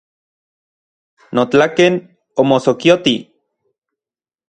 Notlaken omosokioti.